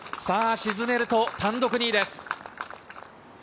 沈めると、単独２位です。